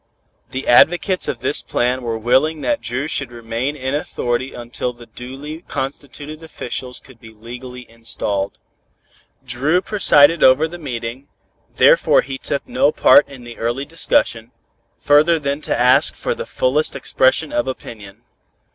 The advocates of this plan were willing that Dru should remain in authority until the duly constituted officials could be legally installed. Dru presided over the meeting, therefore he took no part in the early discussion, further than to ask for the fullest expression of opinion.